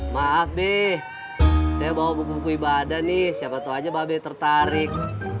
maaf deh saya bawa buku buku ibadah nih siapa tau aja babe tertarik